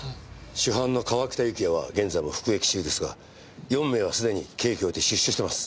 主犯の川北幸也は現在も服役中ですが４名はすでに刑期を終えて出所してます。